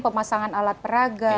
pemasangan alat peraga